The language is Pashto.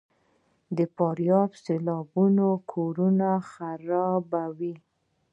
د فاریاب سیلابونه کورونه خرابوي؟